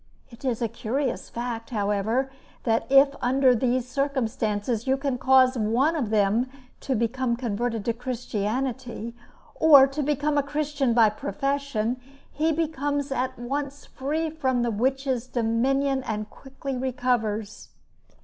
It is a curious fact, however, that if under these circumstances you can cause one of them to become converted to Christianity, or to become a Christian by profession, he becomes at once free from the witches' dominion and quickly recovers.